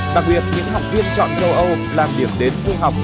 đặc biệt những học viên chọn châu âu làm việc đến thu học